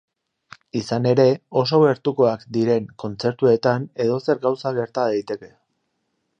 Izan ere, oso gertukoak diren kontzertuetan edozer gauza gerta daiteke.